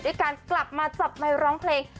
ด้วยกันกลับมาจับไหมร้องเพลง